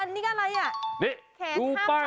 เดี๋ยวอันนี้อะไร